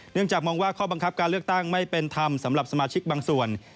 จากมองว่าข้อบังคับการเลือกตั้งไม่เป็นธรรมสำหรับสมาชิกบางส่วน